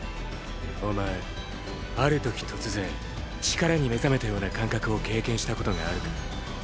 お前ある時突然力に目覚めたような感覚を経験したことがあるか？